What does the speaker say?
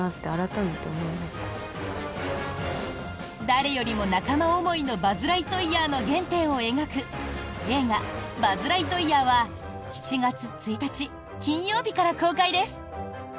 誰よりも仲間思いのバズ・ライトイヤーの原点を描く映画「バズ・ライトイヤー」は７月１日金曜日から公開です。